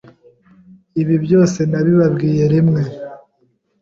Ibi byose nabibabwiye rimwe.